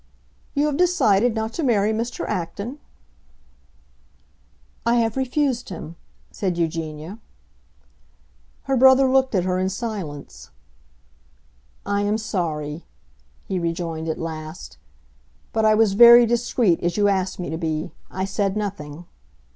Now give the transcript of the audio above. "You have decided not to marry Mr. Acton?" "I have refused him," said Eugenia. Her brother looked at her in silence. "I am sorry," he rejoined at last. "But I was very discreet, as you asked me to be. I said nothing."